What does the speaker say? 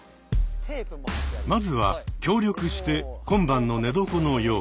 まずは協力して今晩の寝床の用意。